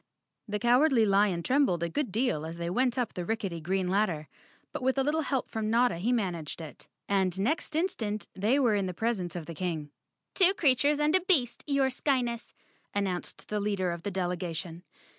The Cowardly Lion trembled a good deal as they went up the rickety green ladder, but with a little help from Notta he managed it, and next instant they were in the presence of the King. "Two creatures and a beast, your Skyness!" an¬ nounced the leader of the delegation.